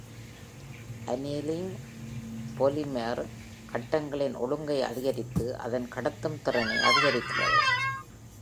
Annealing, polymer கட்டங்களின் ஒழுங்கை அதிகரித்து, அதன் கடத்தும் திறனை அதிகரிக்கிறது.